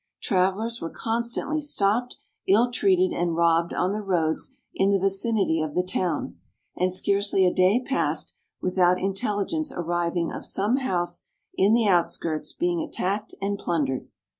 Travellers were constantly stopped, ill treated, and robbed on the roads in the vicinity of the town; and scarcely a day passed, without intelligence arriving of some house in the outskirts being attacked and plundered.